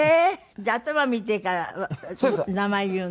じゃあ頭見てから名前言うの？